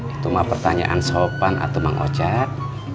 itu mah pertanyaan sopan atau bang ocet